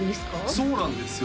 そうなんですよ